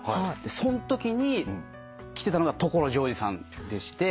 そんときに来てたのが所ジョージさんでして。